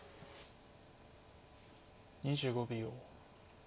２５秒。